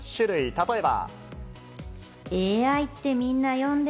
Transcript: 例えば。